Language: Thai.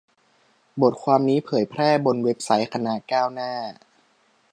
บทความนี้เผยแพร่บนเว็บไซต์คณะก้าวหน้า